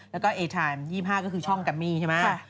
แล้วก็เอทาน๒๕ก็คือช่องกัมมี่ใช่ไหม